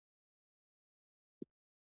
یوه لوحه د وین د تیلو د بدلون وه